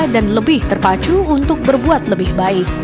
dan lebih terpacu untuk berbuat lebih baik